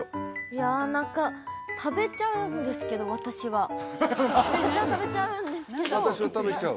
いや何か食べちゃうんですけど私は私は食べちゃうんですけど私は食べちゃう？